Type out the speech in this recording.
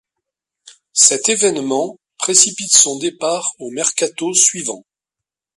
Cet événement précipite son départ au mercato suivant.